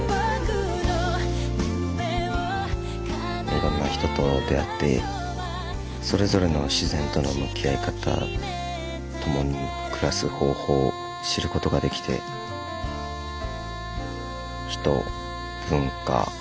いろんな人と出会ってそれぞれの自然との向き合い方共に暮らす方法を知ることができて人文化食